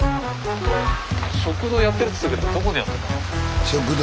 食堂やってるっつったけどどこでやってんの？